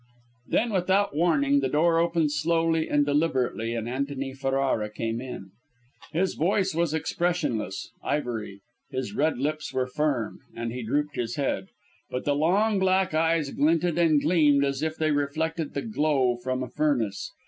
Then, without warning, the door opened slowly and deliberately, and Antony Ferrara came in. His face was expressionless, ivory; his red lips were firm, and he drooped his head. But the long black eyes glinted and gleamed as if they reflected the glow from a furnace.